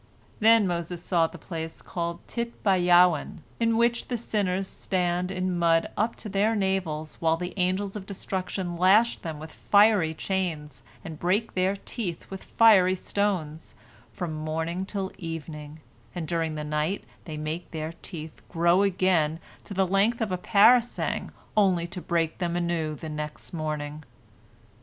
Then Moses saw the place called Tit ba Yawen, in which the sinners stand in mud up to their navels, while the Angels of Destruction lash them with fiery chains, and break their teeth with fiery stones, from morning until evening, and during the night they make their teeth grow again, to the length of a parasang, only to break them anew the next morning.